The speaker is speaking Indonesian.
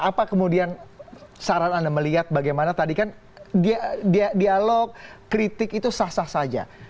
apa kemudian saran anda melihat bagaimana tadi kan dialog kritik itu sah sah saja